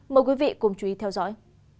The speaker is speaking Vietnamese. mời quý vị cùng chú ý theo dõi